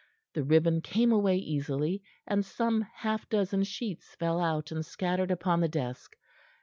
The ribbon came away easily, and some half dozen sheets fell out and scattered upon the desk.